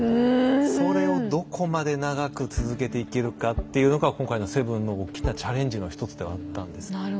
それをどこまで長く続けていけるかっていうのが今回の「７」の大きなチャレンジの一つではあったんです。